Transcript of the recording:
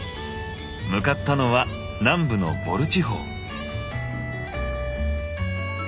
向かったのは南部のヴォル地方。